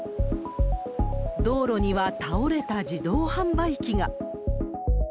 道路には倒れた自動販売機が。